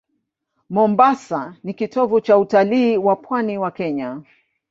Mombasa ni kitovu cha utalii wa pwani ya Kenya.